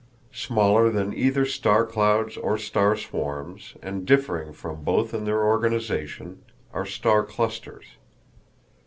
Smaller than either star clouds or star swarms, and differing from both in their organization, are star clusters.